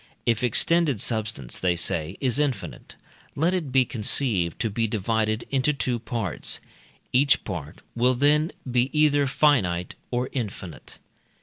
If extended substance, they say, is infinite, let it be conceived to be divided into two parts; each part will then be either finite or infinite.